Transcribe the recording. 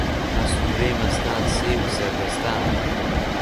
مەستوورەی مەستان سێوی سەر دەستان